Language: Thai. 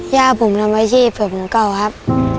ย่าผมนำไว้ที่เผื่อผมเก่าครับ